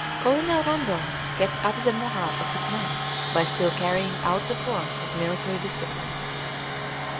Colonel Rondon kept up the morale of his men by still carrying out the forms of military discipline.